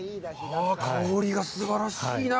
香りがすばらしいなあ。